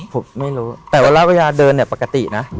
ผมไม่รู้แต่เวลาเดินเนี่ยปกตินะ